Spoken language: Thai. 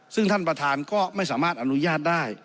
ซึ่งท่านประธานก็ไม่สามารถอนุญาตได้